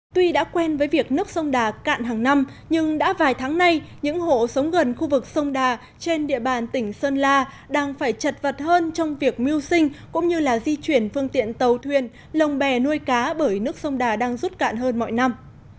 tuy đã quen với việc nước sông đà cạn hàng năm nhưng đã vài tháng nay những hộ sống gần khu vực sông đà trên địa bàn tỉnh sơn la đang phải chật vật hơn trong việc mưu sinh cũng như là di chuyển phương tiện tàu thuyền lồng bè nuôi cá bởi nước sông đà đang rút cạn hơn mọi năm